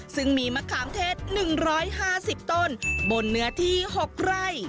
ซึ่งมีมะขามเทศ๑๕๐ต้นบนเนื้อที่๖ไร่